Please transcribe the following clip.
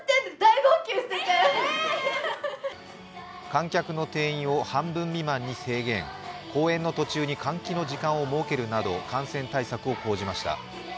観客の定員を半分未満に制限、公演の途中に換気の時間を設けるなど感染対策を講じました。